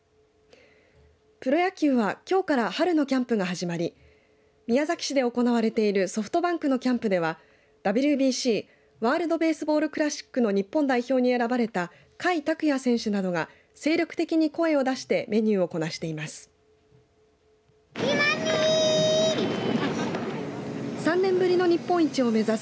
プロ野球はきょうから春のキャンプが始まり宮崎市で行われているソフトバンクのキャンプではＷＢＣワールド・ベースボール・クラシックの日本代表に選ばれた甲斐拓也選手などが精力的に声を出してメニューをこなしています。